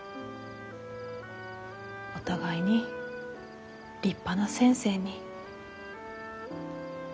お互いに立派な先生に。